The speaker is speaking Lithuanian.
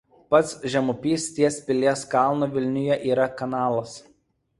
Pats žemupys ties Pilies kalnu Vilniuje yra kanalas.